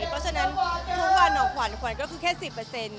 เพราะฉะนั้นทุกวันขวัญก็คือแค่สิบเปอร์เซ็นต์